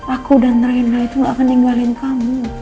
aku dan reindra itu gak akan ninggalin kamu